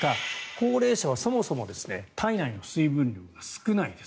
高齢者は、そもそも体内の水分量が少ないです。